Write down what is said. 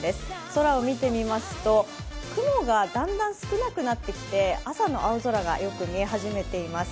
空をみてみますと雲が少なくなって朝の青空がよく見え始めています。